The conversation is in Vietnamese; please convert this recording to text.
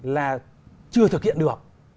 là chưa thực hiện được